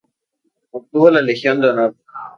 Obtuvo la Legión de Honor.